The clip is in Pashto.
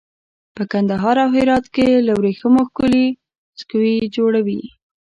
په کندهار او هرات کې له وریښمو ښکلي سکوي جوړوي.